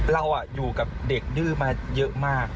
เราอยู่กับเด็กดื้อมาเยอะมาก